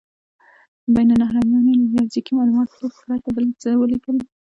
بین النهرینیانو له ریاضیکي مالوماتو پرته بل څه هم ولیکل.